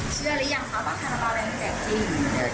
เชื่อรัยังเขาบอกฆาตเบาแดงจักจัง